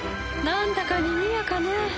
なんだかにぎやかね。